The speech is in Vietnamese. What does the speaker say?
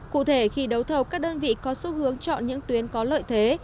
cụ thể khi đấu thầu các đơn vị có xu hướng chọn những tuyến có lợi thế